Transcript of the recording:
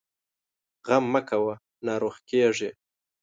غم مه کوه ، ناروغ کېږې!